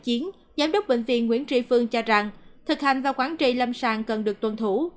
giám đốc bệnh viện nguyễn tri phương cho rằng thực hành và quản trị lâm sàng cần được tuân thủ